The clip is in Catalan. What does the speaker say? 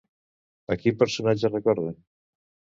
A quin personatge recorden?